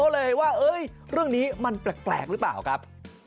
เรื่องนี้มันแปลกหรือเปล่าครับ